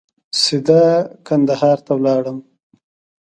سیده کندهار ته ولاړم.